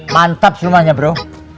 mantap semuanya bro